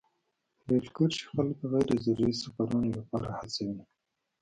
رېل کرښې خلک غیر ضروري سفرونو لپاره هڅوي.